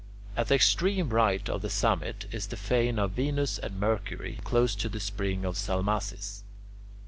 At the extreme right of the summit is the fane of Venus and Mercury, close to the spring of Salmacis.